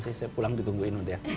saya pulang ditungguin udah